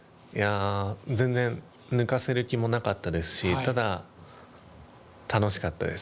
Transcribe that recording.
全然抜かせる気もなかったんですし、ただ、楽しかったです。